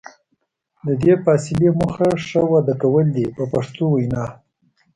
د دې فاصلې موخه ښه وده کول دي په پښتو وینا.